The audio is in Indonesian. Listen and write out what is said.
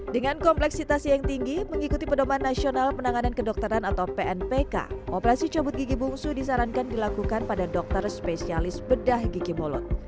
dengan kompleksitas yang tinggi mengikuti pedoman nasional penanganan kedokteran atau pnpk operasi cabut gigi bungsu disarankan dilakukan pada dokter spesialis bedah gigi mulut